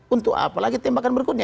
untuk apa lagi tembakan berikutnya